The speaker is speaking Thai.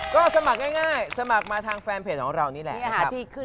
ก็สมัครง่ายสมัครมาทางแฟนเพจของเรานี่แหละ